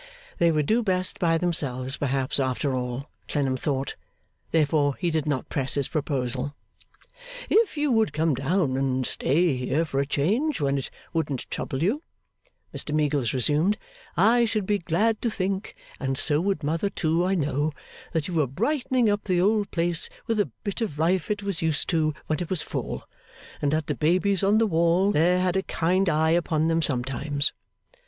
They would do best by themselves perhaps, after all, Clennam thought; therefore did not press his proposal. 'If you would come down and stay here for a change, when it wouldn't trouble you,' Mr Meagles resumed, 'I should be glad to think and so would Mother too, I know that you were brightening up the old place with a bit of life it was used to when it was full, and that the Babies on the wall there had a kind eye upon them sometimes.